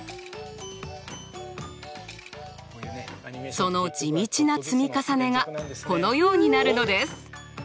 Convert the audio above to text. その地道な積み重ねがこのようになるのです。